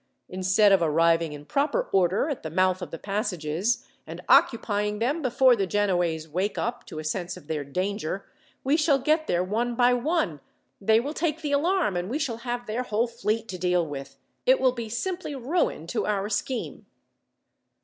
"Instead of arriving in proper order at the mouth of the passages, and occupying them before the Genoese wake up to a sense of their danger, we shall get there one by one, they will take the alarm, and we shall have their whole fleet to deal with. It will be simply ruin to our scheme."